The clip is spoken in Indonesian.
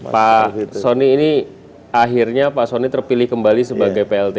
pak soni ini akhirnya terpilih kembali sebagai plt